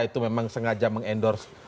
itu memang sengaja mengendorse